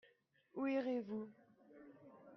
Où irez-vous ?